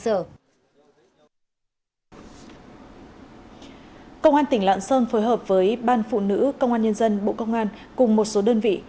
công an tỉnh lạng sơn phối hợp với ban phụ nữ công an nhân dân bộ công an cùng một số đơn vị